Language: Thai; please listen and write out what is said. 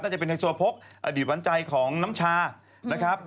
จะเป็นไฮโซโพกอดีตวันใจของน้ำชานะครับ